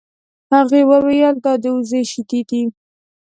هغې وویل دا د وزې شیدې دي.